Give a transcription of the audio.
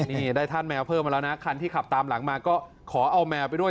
มีได้ท่านแมวเพิ่มแล้วครับท่านที่ขับตามหลังมาก็บอกค่อยเอาแมวไปด้วย